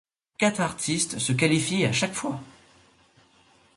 Quatre artistes se qualifies à chaque fois.